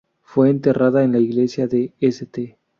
Fue enterrada en la iglesia de St.